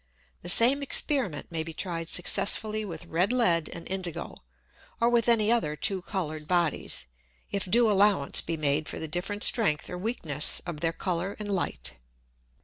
The same Experiment may be tried successfully with red Lead and Indigo, or with any other two colour'd Bodies, if due allowance be made for the different strength or weakness of their Colour and Light.